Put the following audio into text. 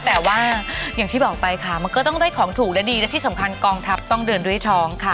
แต่ว่าอย่างที่บอกไปค่ะมันก็ต้องได้ของถูกและดีและที่สำคัญกองทัพต้องเดินด้วยท้องค่ะ